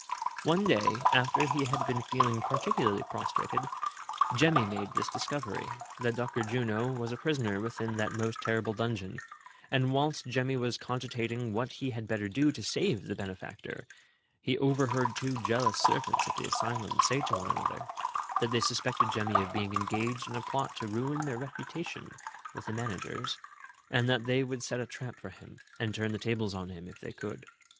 One day, after he had been feeling particularly pros trated, Jemmy made this discovery, that Dr. Juno was a prisoner within that most terrible dungeon ; and whilst Jemmy was cogitating what he had better do to save the benefactor, he overheard two jealous servants of the asylum say to one another, that they suspected Jemmy of being engaged in a plot to ruin their reputation with the mana' gers, and that they would set a trap for him, and turn the tables on him, if they could.